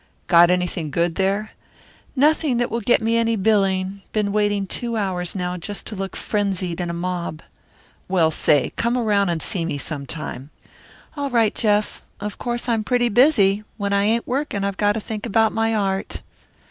"Got anything good there?" "Nothing that will get me any billing. Been waiting two hours now just to look frenzied in a mob." "Well, say, come around and see me some time." "All right, Jeff. Of course I'm pretty busy. When I ain't working I've got to think about my art."